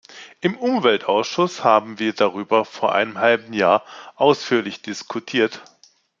Im Umweltausschuss haben wir darüber vor einem halben Jahr ausführlich diskutiert.